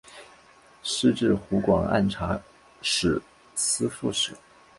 仕至湖广按察使司副使。